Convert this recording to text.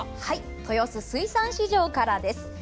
豊洲水産市場からです。